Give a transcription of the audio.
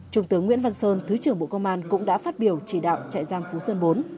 trung tướng nguyễn văn sơn thứ trưởng bộ công an cũng đã phát biểu chỉ đạo trại giam phú sơn bốn